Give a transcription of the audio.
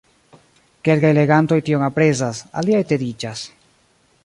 Kelkaj legantoj tion aprezas, aliaj tediĝas.